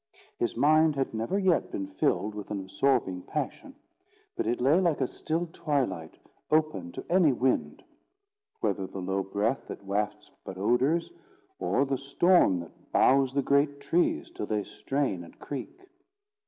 His mind had never yet been filled with an absorbing passion; but it lay like a still twilight open to any wind, whether the low breath that wafts but odours, or the storm that bows the great trees till they strain and creak.